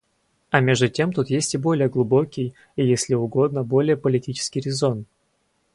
А между тем тут есть и более глубокий и, если угодно, более политический резон.